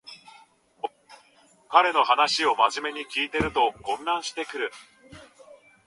彼の話をまじめに聞いてると混乱してくる